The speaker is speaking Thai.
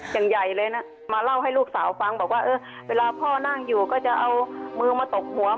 อย่างใหญ่เลยนะมาเล่าให้ลูกสาวฟังบอกว่าเออเวลาพ่อนั่งอยู่ก็จะเอามือมาตบหัว